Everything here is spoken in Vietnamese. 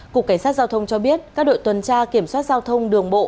cục cảnh sát giao thông cho biết các đội tuần tra kiểm soát giao thông đường bộ